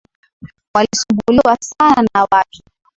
Walisumbuliwa sana na watu.